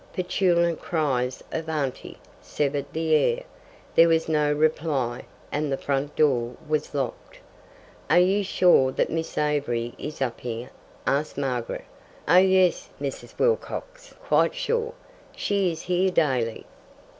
Petulant cries of "Auntie!" severed the air. There was no reply, and the front door was locked. "Are you sure that Miss Avery is up here?" asked Margaret. "Oh yes, Mrs. Wilcox, quite sure. She is here daily."